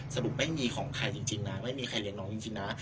สรุปไม่มีของใครจริงนะไม่มีใครเลี้ยงน้องจริงนะ